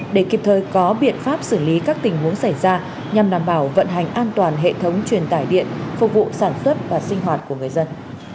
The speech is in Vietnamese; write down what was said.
để kịp thời có biện pháp xử lý các tình huống xảy ra nhằm đảm bảo vận hành an toàn hệ thống truyền tải điện phục vụ sản xuất và sinh hoạt của người dân